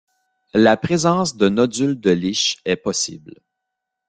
La présence de nodules de Lisch est possible.